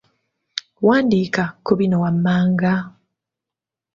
Wandiika ku bino wammanga.